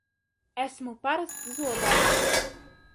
Esmu parasts zobārsts!